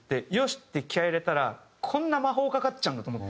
って気合入れたらこんな魔法かかっちゃうんだと思って。